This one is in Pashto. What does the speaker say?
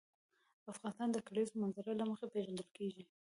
افغانستان د د کلیزو منظره له مخې پېژندل کېږي.